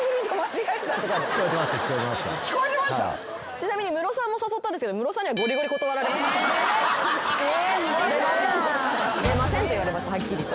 ちなみにムロさんも誘ったんですけどムロさんには。「出ません」って言われましたはっきりと。